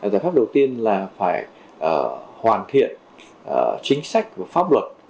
giải pháp đầu tiên là phải hoàn thiện chính sách của pháp luật